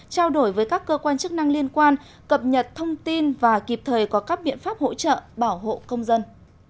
trao đổi với các cơ quan chức năng liên quan cập nhật thông tin và kịp thời có các biện pháp hỗ trợ bảo hộ công dân